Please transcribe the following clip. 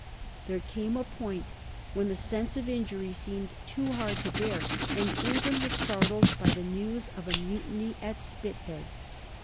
There came a point when the sense of injury seemed too hard to bear, and England was startled by the news of a mutiny at Spithead.